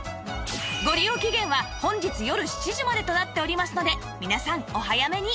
ご利用期限は本日よる７時までとなっておりますので皆さんお早めに